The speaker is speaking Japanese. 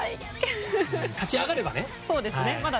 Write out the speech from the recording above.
勝ち上がればね。